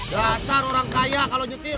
dasar orang kaya kalau nyutir